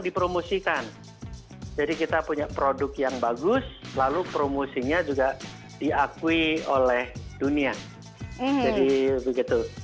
dipromosikan jadi kita punya produk yang bagus lalu promosinya juga diakui oleh dunia jadi begitu